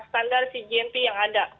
standar cgmp yang ada